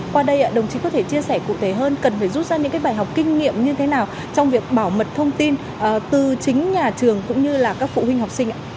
qua đây đồng chí có thể chia sẻ cụ thể hơn cần phải rút ra những bài học kinh nghiệm như thế nào trong việc bảo mật thông tin từ chính nhà trường cũng như là các phụ huynh học sinh ạ